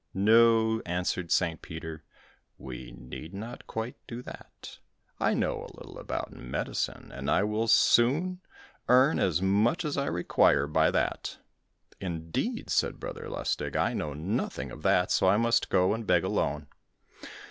"No," answered St. Peter, "we need not quite do that. I know a little about medicine, and I will soon earn as much as I require by that." "Indeed," said Brother Lustig, "I know nothing of that, so I must go and beg alone."